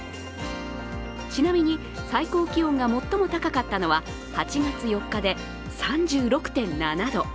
ちなみに最高気温が最も高かったのは８月４日で３６．７度。